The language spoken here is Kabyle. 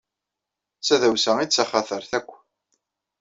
D tadawsa i d taxatart akk.